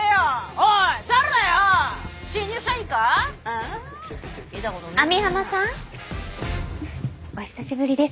お久しぶりです。